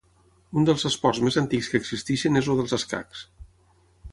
Un dels esports més antics que existeixen és el dels escacs.